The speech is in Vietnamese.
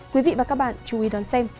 quý vị và các bạn chú ý đón xem